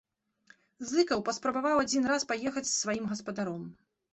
Зыкаў паспрабаваў адзін раз паехаць з сваім гаспадаром.